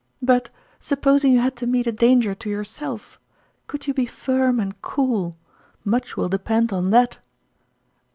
But, supposing you had to meet a danger to yourself, could you be firm and cool ? Much will depend on that."